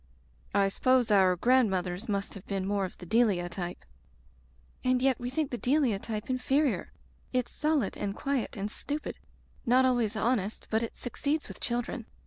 "I suppose our grandmothers must have been more of the Delia type. "And yet we think the Delia type inferior. It's solid and quiet and stupid — ^not always honest, but it succeeds with children.